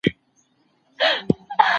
څنګه ګډ سیندونه د هېوادونو ترمنځ ویشل کیږي؟